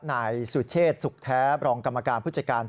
นายสุเชษสุขแท้บรองกรรมการผู้จัดการ